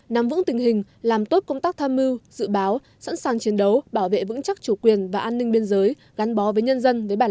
nhân dân với bản làng